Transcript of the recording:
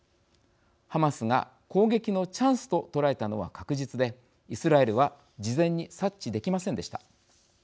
ハマスが攻撃のチャンスと捉えたのは確実でイスラエルは事前に察知できませんでした。